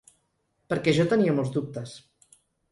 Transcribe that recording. Perquè jo tenia molts dubtes.